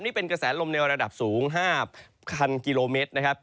นี่เป็นกระแสลมในระดับสูง๕๐๐กิโลเมตรนะครับ